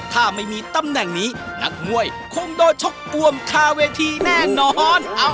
ถ้าไม่มีตำแหน่งนี้นักมวยคงโดนชกปวมคาเวทีแน่นอน